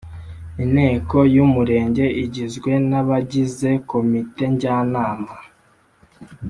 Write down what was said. inteko y’Umurenge igizwe n abagize Komite njyanama